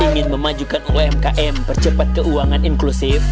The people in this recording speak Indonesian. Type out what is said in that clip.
ingin memajukan umkm percepat keuangan inklusif